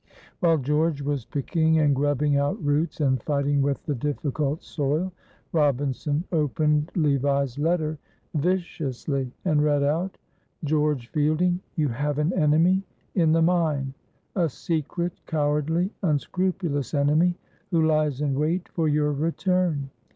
While George was picking and grubbing out roots, and fighting with the difficult soil, Robinson opened Levi's letter viciously and read out: "George Fielding, you have an enemy in the mine a secret, cowardly, unscrupulous enemy, who lies in wait for your return.